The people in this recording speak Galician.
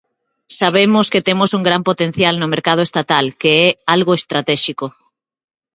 Sabemos que temos un gran potencial no mercado estatal, que é algo estratéxico.